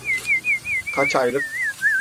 Kaç aylık?